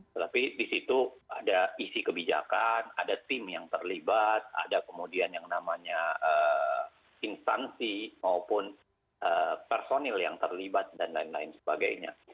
tetapi di situ ada isi kebijakan ada tim yang terlibat ada kemudian yang namanya instansi maupun personil yang terlibat dan lain lain sebagainya